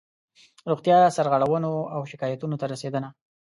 روغتیایي سرغړونو او شکایاتونو ته رسېدنه